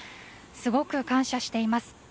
すごく感謝しています。